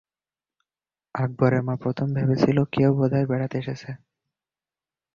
আকবরের মা প্রথম ভেবেছিল কেউ বোধহয় বেড়াতে এসেছে।